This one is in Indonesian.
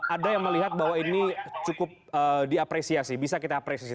ada yang melihat bahwa ini cukup diapresiasi bisa kita apresiasi